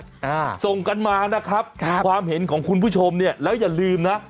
เอาอย่างนี้ส่งกันมานะครับความเห็นของคุณผู้ชมนี่แล้วอย่าลืมนะ